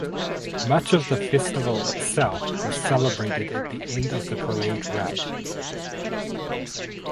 Much of the festival itself is celebrated at the end of the parade route.